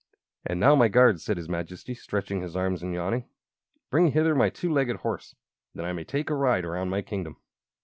"And now, my guards," said his Majesty, stretching his arms and yawning, "bring hither my two legged horse, that I may take a ride around my kingdom."